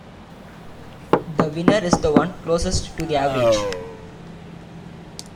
The winner is the one closest to the average.